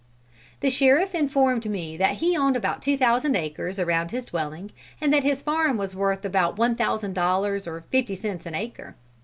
The sheriff informed me that he owned about two thousand acres around his dwelling, and that his farm was worth about one thousand dollars or fifty cents an acre.